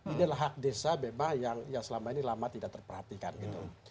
ini adalah hak desa memang yang selama ini lama tidak terperhatikan gitu